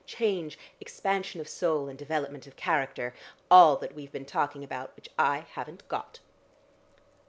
Change! Expansion of soul and development of character! All that we've been talking about which I haven't got."